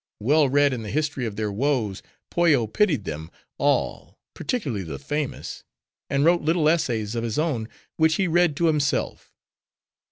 Well read in the history of their woes, Pollo pitied them all, particularly the famous; and wrote little essays of his own, which he read to himself."